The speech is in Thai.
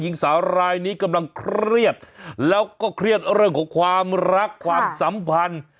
หญิงสาวรายนี้กำลังเครียดแล้วก็เครียดเรื่องของความรักความสัมพันธ์